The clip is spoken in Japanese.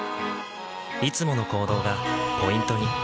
いつもの行動がポイントに。